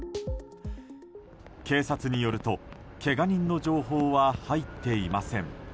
警察によるとけが人の情報は入っていません。